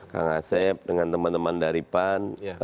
kang asep dengan teman teman dari pan